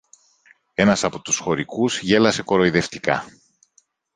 Ένας από τους χωρικούς γέλασε κοροϊδευτικά.